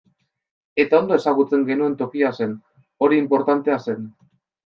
Eta ondo ezagutzen genuen tokia zen, hori inportantea zen.